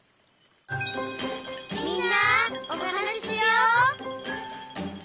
「みんなおはなししよう」